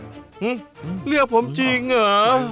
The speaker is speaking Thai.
หื้อเลือกผมจริงเหรอ